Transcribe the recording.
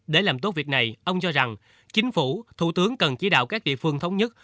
để làm tốt việc này ông cho rằng chính phủ thủ tướng cần chỉ đạo các địa phương thống nhất